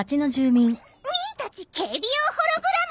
ミーたち警備用ホログラムさ！